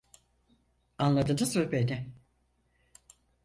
Anladınız mı beni?